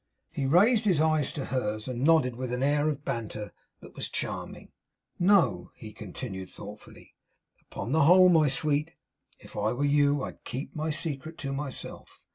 He raised his eyes to hers; and nodded with an air of banter that was charming. 'No,' he continued, thoughtfully. 'Upon the whole, my sweet, if I were you I'd keep my secret to myself.